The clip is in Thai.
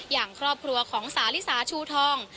อย่างครอบครัวของสาลิสาชูทอง